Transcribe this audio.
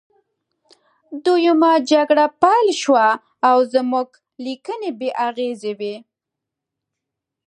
دویمه جګړه پیل شوه او زموږ لیکنې بې اغیزې وې